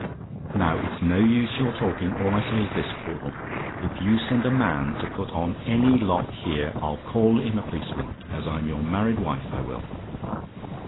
Now, it's no use your talking; all I say is this, Caudle: if you send a man to put on any lock here, I'll call in a policeman; as I'm your married wife, I will.